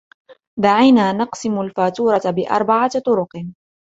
دعينا نقسم الفاتورة بأربعة طرق.